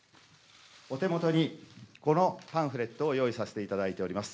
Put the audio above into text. お手元にこのパンフレットを用意させていただいております。